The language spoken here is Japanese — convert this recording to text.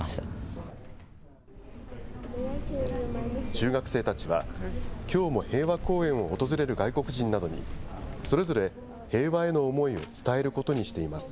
中学生たちは、きょうも平和公園を訪れる外国人などに、それぞれ、平和への思いを伝えることにしています。